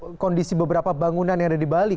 untuk kondisi beberapa bangunan yang ada di bali